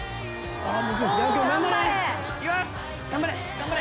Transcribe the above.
頑張れ。